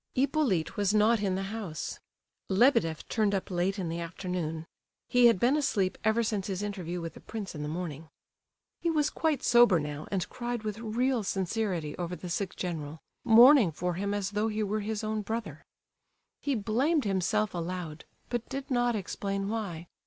Hippolyte was not in the house. Lebedeff turned up late in the afternoon; he had been asleep ever since his interview with the prince in the morning. He was quite sober now, and cried with real sincerity over the sick general—mourning for him as though he were his own brother. He blamed himself aloud, but did not explain why.